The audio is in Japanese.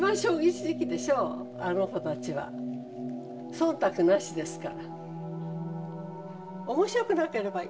忖度なしですから。